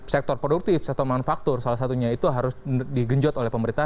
sektor produktif sektor manufaktur salah satunya itu harus digenjot oleh pemerintah